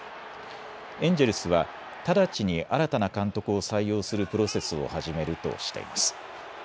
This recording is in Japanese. エンジェルスは直ちに新たな監督を採用するプロセスを始めるとしています。